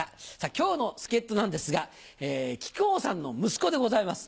今日の助っ人なんですが木久扇さんの息子でございます。